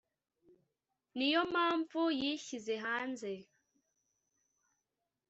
niyo mpamvu yishyize hanze